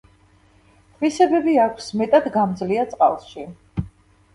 თვისებები აქვს, მეტად გამძლეა წყალში.